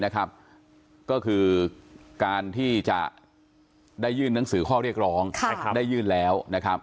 ก็คือการที่จะได้ยื่นหนังสือข้อเรียกร้องได้ยื่นแล้วนะครับ